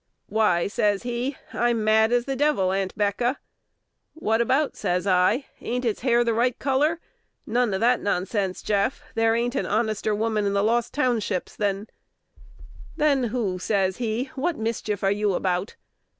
"Why," says he, "I'm mad as the devil, Aunt'Becca!" "What about?" says I: "ain't its hair the right color? None of that nonsense, Jeff: there ain't an honester woman in the Lost Townships than" "Than who?" says he: "what the mischief are you about?"